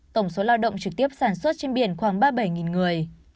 tổng số lao động trực tiếp sản xuất trên biển khoảng ba mươi bảy người